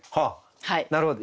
なるほど。